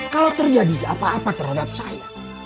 kalau terjadi apa apa terhadap saya